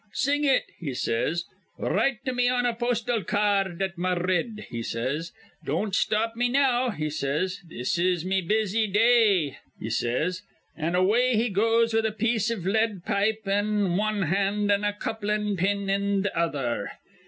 'Sing it,' he says. 'Write it to me on a postal ca ard at Mahdrid,' he says. 'Don't stop me now,' he says. 'This is me, busy day,' he says; an' away he goes with a piece iv lead pipe in wan hand an' a couplin' pin in th' other.